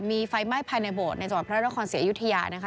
มีไฟไหม้ภายในโบสถ์ในจังหวัดพระนครศรีอยุธยานะคะ